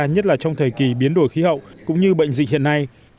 nhất là trong thời kỳ biến đổi khí hậu cũng như bệnh dịch hiện nay